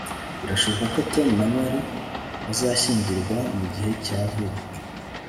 Birashoboka ko Tom na Mary bazashyingirwa mugihe cya vuba